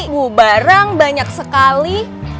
buu barang banyak sekali